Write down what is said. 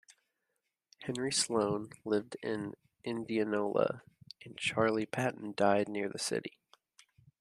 Henry Sloan lived in Indianola, and Charley Patton died near the city.